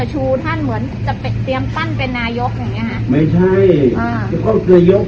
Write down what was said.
ชูท่านเหมือนจะเตรียมปั้นเป็นนายกอย่างนี้ฮะ